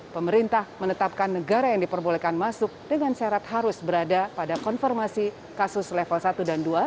pemerintah menetapkan negara yang diperbolehkan masuk dengan syarat harus berada pada konfirmasi kasus level satu dan dua